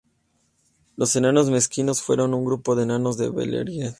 Los Enanos Mezquinos fueron un grupo de Enanos de Beleriand.